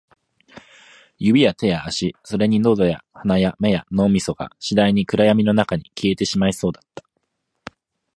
指や手や足、それに喉や鼻や目や脳みそが、次第に暗闇の中に消えてしまいそうだった